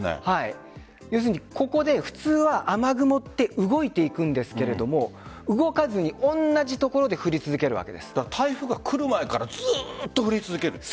要するに、ここで普通は雨雲って動いていくんですけれども動かずに同じ所で降り続台風が来る前からずっと降り続ける。